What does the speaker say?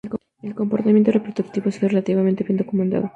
El comportamiento reproductivo ha sido relativamente bien documentado.